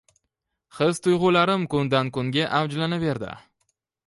His-tuyg`ularim kundan-kunga avjlanaverdi